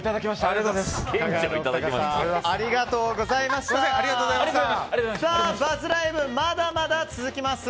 まだまだ続きます。